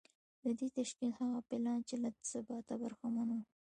د دې تشکیل هغه پلان چې له ثباته برخمن و